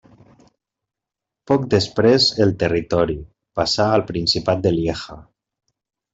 Poc després, el territori passà al principat de Lieja.